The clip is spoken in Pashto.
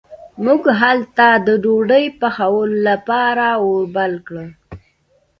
موږ هلته د ډوډۍ پخولو لپاره اور بل کړ.